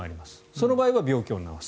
その場合は病気を治す。